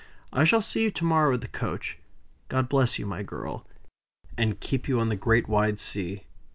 I shall see you to morrow at the coach. God bless you, my girl, and keep you on the great wide sea."